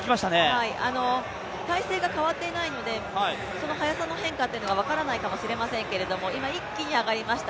体勢が変わっていないので、その速さの変化っていうのが分からないかもしれませんが今、一気に上がりました。